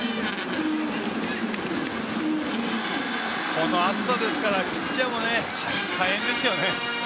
この暑さですからピッチャーも大変ですよね。